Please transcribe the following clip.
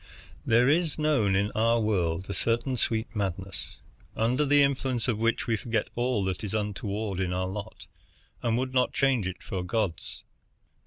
There is known in our world a certain sweet madness, under the influence of which we forget all that is untoward in our lot, and would not change it for a god's.